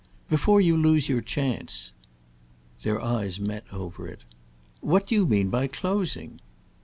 "Before you lose your chance." Their eyes met over it. "What do you mean by closing?"